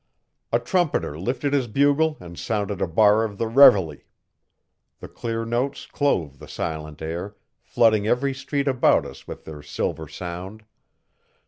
A trumpeter lifted his bugle and sounded a bar of the reveille. The clear notes clove the silent air, flooding every street about us with their silver sound.